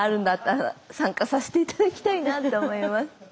参加させて頂きたいなって思います。